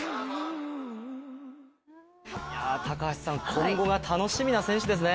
今後が楽しみな選手ですね。